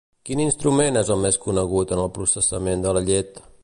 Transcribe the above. Quin instrument és el més conegut en el processament de la llet?